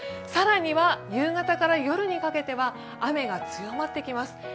更には夕方から夜にかけては雨が強まってきます。